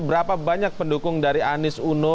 berapa banyak pendukung dari anies uno